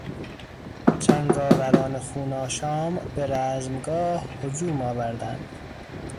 جنگاوران خونآشام به رزمگاه هجوم آوردند.